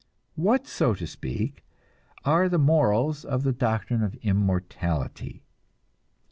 What, so to speak, are the morals of the doctrine of immortality?